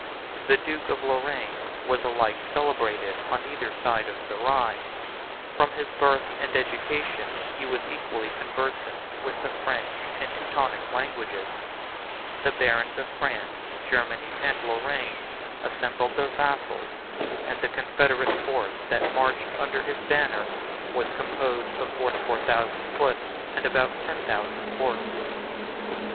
The duke of Lorraine, was alike celebrated on either side of the Rhine: from his birth and education, he was equally conversant with the French and Teutonic languages: the barons of France, Germany, and Lorraine, assembled their vassals; and the confederate force that marched under his banner was composed of fourscore thousand foot and about ten thousand horse.